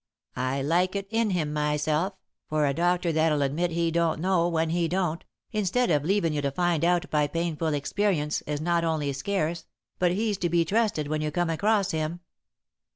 I like it in him myself, for a doctor that'll admit he don't know, when he don't, instead of leavin' you to find out by painful experience, is not only scarce, but he's to be trusted when you come across him.